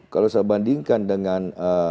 kalau saya bandingkan dengan